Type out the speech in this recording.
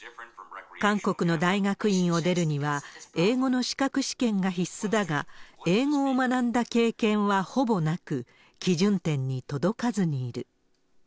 韓国の大学院を出るには、英語の資格試験が必須だが、英語を学んだ経験はほぼなく、基準点に届かずにいる。